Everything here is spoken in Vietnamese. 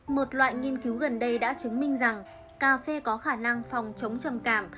một loại nghiên cứu gần đây đã chứng minh rằng cà phê có khả năng phòng chống trầm cảm